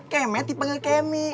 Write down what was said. kemet dipanggil kemi